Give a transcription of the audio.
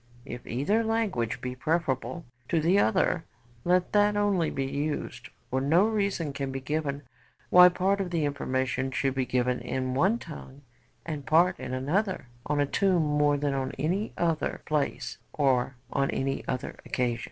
If either language be preferable to the other, let that only be used; for no reason can be given why part of the information should be given in one tongue and part in another on a tomb more than in any other place, or on any other occasion.'